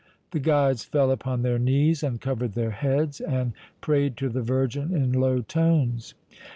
The guides fell upon their knees, uncovered their heads and prayed to the Virgin in low tones.